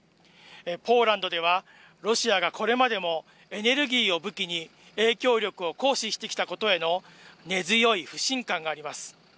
ポーランドでは、ロシアがこれまでもエネルギーを武器に影響力を行使してきたことへの根強い不信感があります。